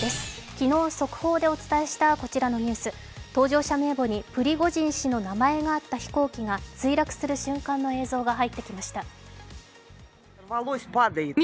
昨日速報でお伝えしたこちらのニュース、搭乗者名簿にプリゴジン氏の名前があった飛行機が墜落する瞬間の映像が入ってきました。